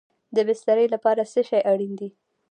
د بسترې لپاره څه شی اړین دی؟